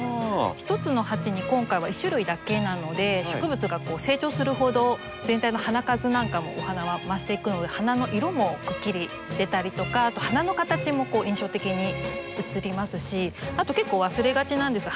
１つの鉢に今回は１種類だけなので植物が成長するほど全体の花数なんかもお花は増していくので花の色もくっきり出たりとかあと花の形も印象的に映りますしあと結構忘れがちなんですけど